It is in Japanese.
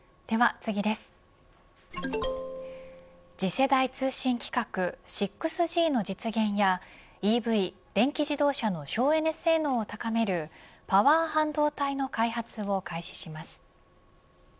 次世代通信規格６Ｇの実現やＥＶ電気自動車の省エネ性能を高めるパワー半導体の開発を開始します。